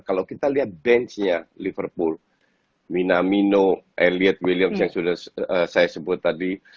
kalau kita lihat bench nya liverpool minamino elied williams yang sudah saya sebut tadi